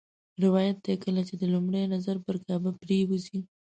روایت دی کله چې دې لومړی نظر پر کعبه پرېوځي.